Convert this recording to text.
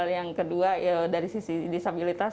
yang kedua dari sisi disabilitas